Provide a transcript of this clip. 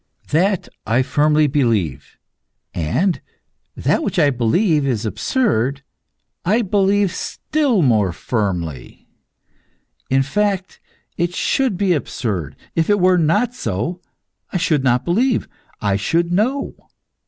That I firmly believe, and that which I believe is absurd, I believe still more firmly. In fact it should be absurd. If it were not so, I should not believe; I should know.